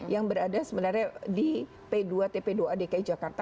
yang berada sebenarnya di p dua tp dua a dki jakarta